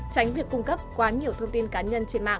tránh việc cung cấp quá nhiều thông tin cá nhân trên mạng